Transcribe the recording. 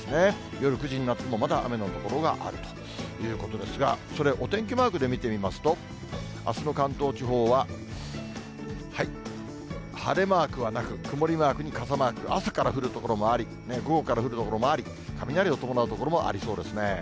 夜９時になっても、まだ雨の所があるということですが、それお天気マークで見てみますと、あすの関東地方は、晴れマークはなく、曇りマークに傘マーク、朝から降る所もあり、午後から降る所もあり、雷を伴う所もありそうですね。